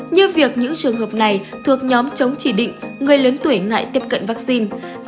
như việc những trường hợp này thuộc nhóm chống chỉ định người lớn tuổi ngại tiếp cận vaccine